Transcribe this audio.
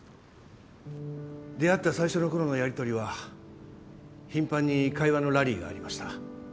出会って最初の頃のやり取りは頻繁に会話のラリーがありました。